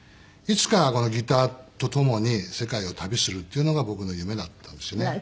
いつかこのギターと共に世界を旅するっていうのが僕の夢だったんですよね。